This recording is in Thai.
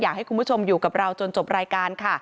อยากให้คุณผู้ชมอยู่กับเราจนจบรายการค่ะ